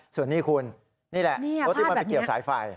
ส่วนนี้คุณนี่แหละรถที่มันไปเกี่ยวสายไฟ